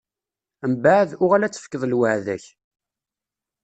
Mbeɛd, uɣal ad tefkeḍ lweɛda-k.